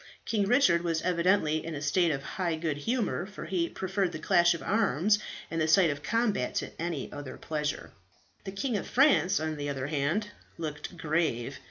King Richard was evidently in a state of high good humour, for he preferred the clash of arms and the sight of combat to any other pleasure. The King of France, on the other hand, looked grave.